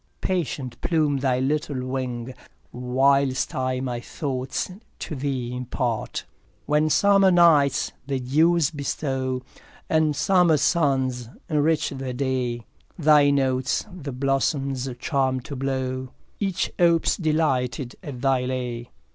patient plume thy little wing, Whilst I my thoughts to thee impart. 3 When summer nights the dews bestow, And summer suns enrich the day, Thy notes the blossoms charm to blow, Each opes delighted at thy lay.